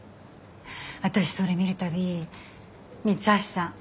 私それ見る度三橋さん